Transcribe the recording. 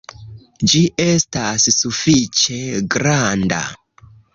Ĝi estas sufiĉe granda